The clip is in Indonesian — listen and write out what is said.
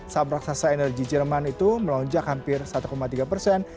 saham raksasa energi jerman itu melonjak hampir satu tiga persen